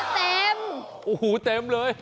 เต็มโอ้โหเต็มเลย